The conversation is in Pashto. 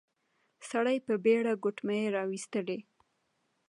سړی په بېړه ګوتمی راويستلې.